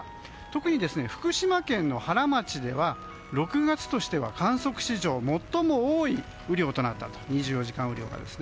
特に福島県の原町では６月としては観測史上最も多い２４時間雨量となったんです。